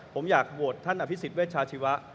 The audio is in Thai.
ผมอยากโหวตท่านอภิษฎเวชาชีวะ